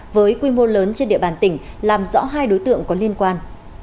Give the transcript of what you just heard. với quy mô lớn trên địa bàn tỉnh làm rõ hai đối tượng có liên quan